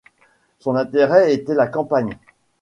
Son intérêt était la campagne.